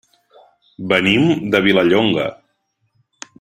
Venim de Vilallonga.